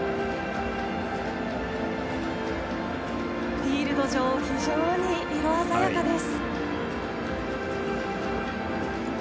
フィールド上非常に色鮮やかです。